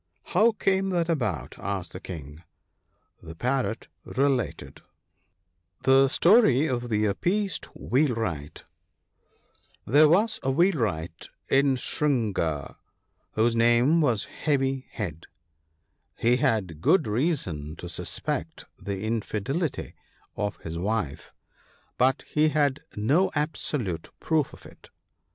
* How came that about ?' asked the King. The Parrot related :— ($Oje £torp of tfje §dji|iea£eti M£|jeeltari0l)t* 'HERE was a Wheelwright in Shri nuggur, whose name was " Heavy head." He had good reason to suspect the infidelity of his wife, but he had no absolute proof of it.